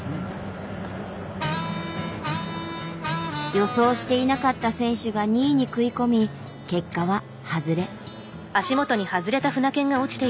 予想していなかった選手が２位に食い込み結果はハズレ。